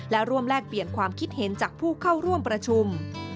และร่วมแลกเปลี่ยนความคิดเห็นจากผู้เข้าร่วมประชุม